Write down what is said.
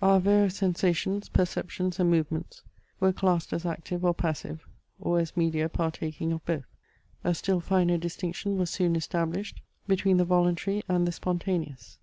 Our various sensations, perceptions, and movements were classed as active or passive, or as media partaking of both. A still finer distinction was soon established between the voluntary and the spontaneous.